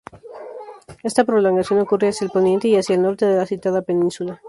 Esta prolongación ocurre hacia el poniente y hacia el norte de la citada península.